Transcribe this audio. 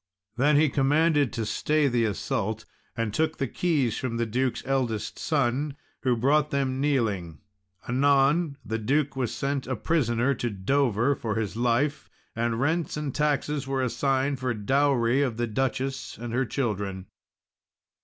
Then he commanded to stay the assault and took the keys from the Duke's eldest son, who brought them kneeling. Anon the Duke was sent a prisoner to Dover for his life, and rents and taxes were assigned for dowry of the Duchess and her children.